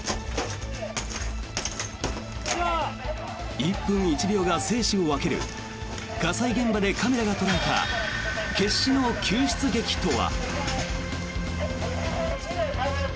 １分１秒が生死を分ける火災現場でカメラが捉えた決死の救出劇とは。